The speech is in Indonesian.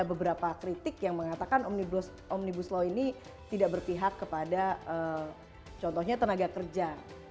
ada beberapa kritik yang mengatakan omnibus law ini tidak berpihak kepada contohnya tenaga kerja